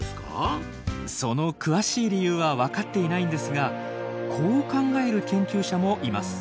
その詳しい理由は分かっていないんですがこう考える研究者もいます。